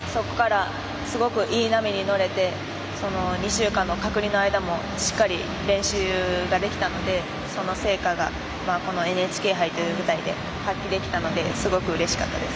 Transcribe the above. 本当にアメリカ大会で初めてノーミスができてそこから、すごくいい波に乗れて２週間の隔離の間もしっかり練習ができたのでその成果がこのＮＨＫ杯という舞台で発揮できたのですごくうれしかったです。